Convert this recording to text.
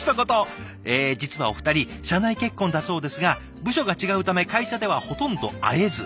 え実はお二人社内結婚だそうですが部署が違うため会社ではほとんど会えず。